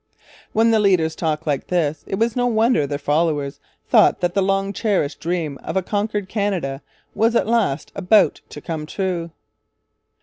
When the leaders talked like this, it was no wonder their followers thought that the long cherished dream of a conquered Canada was at last about to come true.